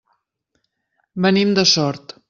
Venim de Sort.